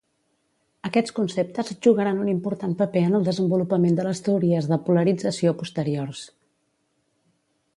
Aquests conceptes jugaran un important paper en el desenvolupament de les teories de polarització posteriors.